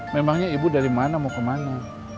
memangnya ibu dari mana mau ke mana